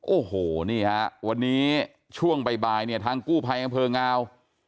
โอ้โหนี่ฮะวันนี้ช่วงบ่ายเนี่ยทางกู้ภัยอำเภองาว